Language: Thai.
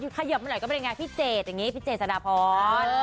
ถึงแบบพี่เจย์สโนาพร